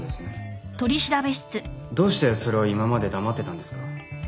どうしてそれを今まで黙ってたんですか？